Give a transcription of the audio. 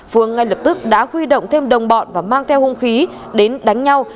phương ngay lập tức đã huy động thêm đồng bọn và mang theo hung khí đến đánh nhau